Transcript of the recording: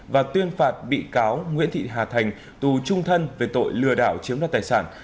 và tuyên phạt bị cáo nguyễn thị hà thành tù trung thân về tội lừa đảo chiếm đoạt tài sản